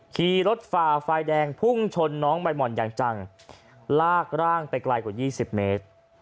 ขี่รถฝ่าไฟแดงพุ่งชนน้องใบหม่อนอย่างจังลากร่างไปไกลกว่า๒๐เมตร